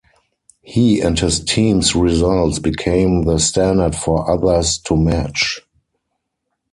He and his team's results became the standard for others to match.